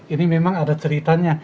ini memang ada ceritanya